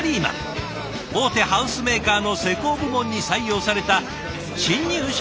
大手ハウスメーカーの施工部門に採用された新入社員の皆さん。